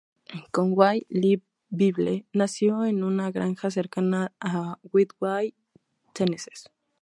Conway Lee Bible nació en una granja cercana a Midway, Tennessee.